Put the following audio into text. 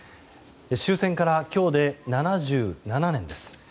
終戦から今日で７７年です。